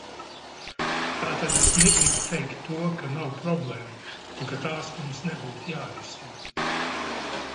Tātad es negribu teikt to, ka nav problēmu un ka tās mums nebūtu jārisina.